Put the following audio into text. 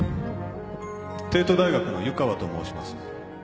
帝都大学の湯川と申します